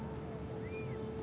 tapi bukan seperti penjahat